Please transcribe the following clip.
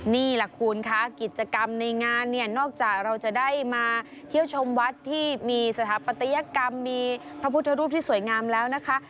นี่แหละคุณคะกิจกรรมในงานเนี่ยนอกจากเราจะได้มาเที่ยวชมวัดที่มีสถาปัตยกรรมมีพระพุทธรูปที่สวยงามแล้วนะคะ